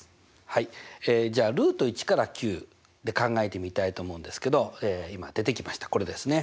はいじゃあルート１から９で考えてみたいと思うんですけど今出てきましたこれですね。